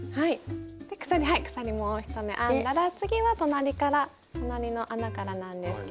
鎖もう一目編んだら次は隣から隣の穴からなんですけれども。